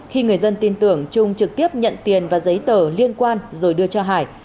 khi người dân tin tưởng trung trực tiếp nhận tiền và giấy tờ liên quan rồi đưa cho hải